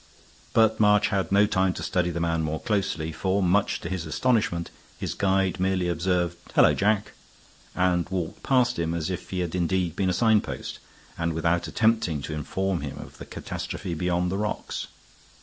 But March had no time to study the man more closely, for, much to his astonishment, his guide merely observed, "Hullo, Jack!" and walked past him as if he had indeed been a signpost, and without attempting to inform him of the catastrophe beyond the rocks.